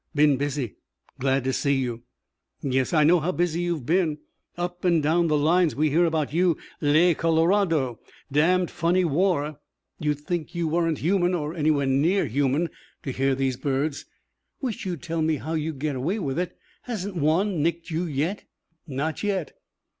"Been busy. Glad to see you." "Yes. I know how busy you've been. Up and down the lines we hear about you. Le Colorado. Damn funny war. You'd think you weren't human, or anywhere near human, to hear these birds. Wish you'd tell me how you get away with it. Hasn't one nicked you yet?" "Not yet."